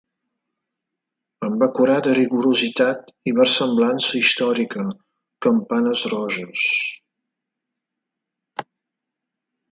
Amb acurada rigorositat i versemblança històrica, Campanes roges.